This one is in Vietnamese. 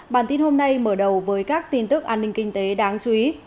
bản tin hôm nay mở đầu với các tin tức an ninh kinh tế đáng chú ý